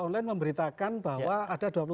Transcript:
online memberitakan bahwa ada dua puluh tujuh